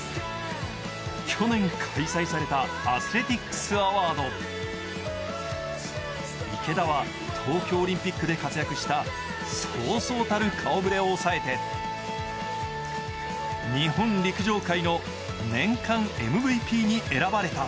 去年開催されたアスレティックス・アワード池田は、東京オリンピックで活躍したそうそうたる顔ぶれを抑えて日本陸上界の年間ＭＶＰに選ばれた。